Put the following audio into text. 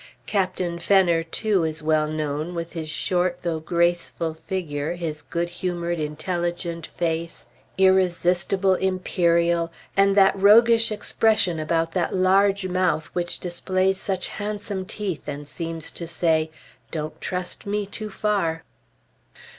Captain Fenner, too, is well known, with his short, though graceful figure, his good humored, intelligent face, irresistible imperial, and that roguish expression about that large mouth which displays such handsome teeth, and seems to say, "Don't trust me too far."